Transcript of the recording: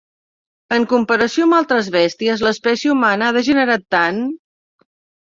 En comparació amb altres bèsties, l'espècie humana ha degenerat tant!